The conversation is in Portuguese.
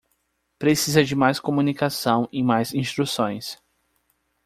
Precisa de mais comunicação e mais instruções